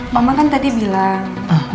mama kan tadi bilang